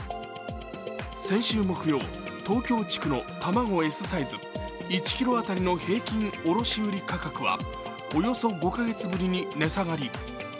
先週木曜、東京地区の卵Ｓサイズ、１ｋｇ当たりの平均卸売価格はおよそ５か月ぶりに値下がり。